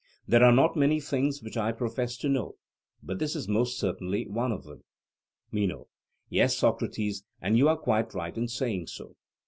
There are not many things which I profess to know, but this is most certainly one of them. MENO: Yes, Socrates; and you are quite right in saying so.